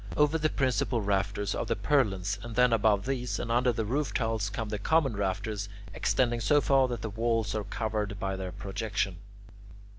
Over the principal rafters are the purlines, and then above these and under the roof tiles come the common rafters, extending so far that the walls are covered by their projection.